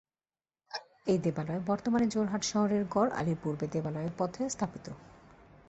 এই দেবালয় বর্তমানে যোরহাট শহরের গড় আলির পূর্বে দেবালয় পথে স্থাপিত।